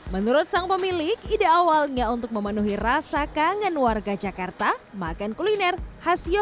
menurut sang pemilik ide awalnya untuk memenuhi rasa kangen warga jakarta makan kuliner yang berbeda ini memang sangat menarik